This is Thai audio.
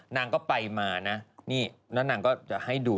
นางก็ไปมานะนี่แล้วนางก็จะให้ดู